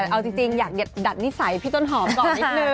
แต่เอาจริงอยากดัดนิสัยพี่ต้นหอมก่อนนิดนึง